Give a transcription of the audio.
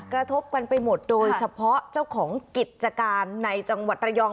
กระทบกันไปหมดโดยเฉพาะเจ้าของกิจการในจังหวัดระยอง